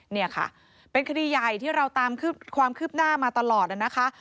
นี่ค่ะเป็นคดีใหญ่ที่เราตามความคืบหน้ามาตลอดนะคะ